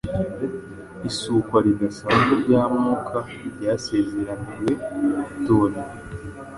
isukwa ridasanzwe rya Mwuka ryasezeraniwe Itorero